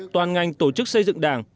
toàn ngành tổ chức xây dựng đảng